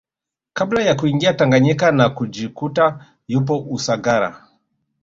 Kabla ya kuingia Tanganyika na kujikuta yupo Usagara